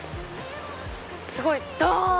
すごいドン！